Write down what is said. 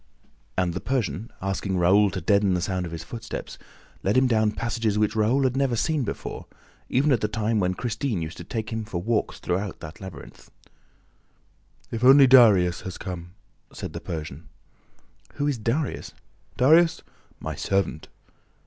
And the Persian, asking Raoul to deaden the sound of his footsteps, led him down passages which Raoul had never seen before, even at the time when Christine used to take him for walks through that labyrinth. "If only Darius has come!" said the Persian. "Who is Darius?" "Darius? My servant."